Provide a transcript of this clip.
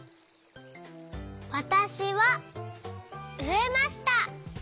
わたしはうえました。